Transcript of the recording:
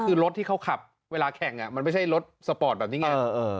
คือรถที่เขาขับเวลาแข่งมันไม่ใช่รถสปอร์ตแบบนี้ไง